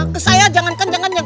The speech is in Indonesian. ke saya jangan kenceng kenceng